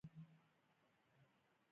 څلور افسران یو ځای ولاړ و، شاوخوا ټوپکوال.